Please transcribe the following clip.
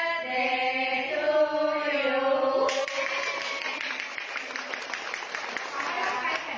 ขอให้ทุกคนไปแข่งแรงแล้วก็ออกกับโรงพยาบาลรามาธิบดี